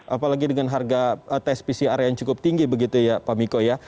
apalagi dengan harga tes pcr yang cukup tinggi begitu ya pak miko ya